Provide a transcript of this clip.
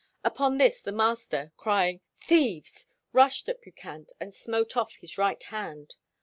Upon this the master, crying "Thieves!" rushed at Bucquinte and smote off his right hand.